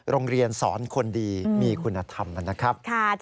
โรงเรียนสอนคนดีมีคุณธรรมนะครับ